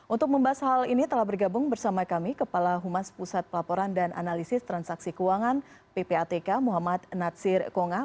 untuk membahas hal ini telah bergabung bersama kami kepala humas pusat pelaporan dan analisis transaksi keuangan ppatk muhammad natsir konga